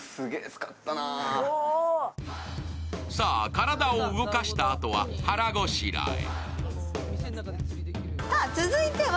体を動かしたあとは腹ごしらえ。